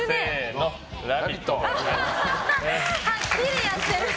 はっきりやってる。